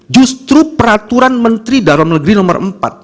justru peraturan menteri dalam negeri nomor empat